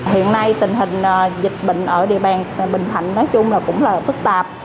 hiện nay tình hình dịch bệnh ở địa bàn bình thạnh nói chung là cũng là phức tạp